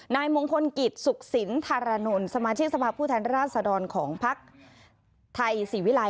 นายมงคลกิจสุขสินธารณนท์สมาชิกสมาธิผู้ทางราชดรของพักไทยศิวิไล